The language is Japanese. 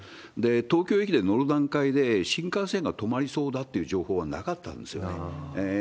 東京駅で乗る段階で、新幹線が止まりそうだという情報はなかったんですよね。